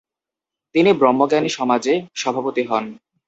তিনি ব্রহ্মজ্ঞানী সমাজের সভাপতি হন।